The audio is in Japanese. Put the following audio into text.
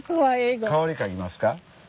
香り嗅ぎますか？